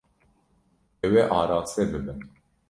Ew ê araste bibin.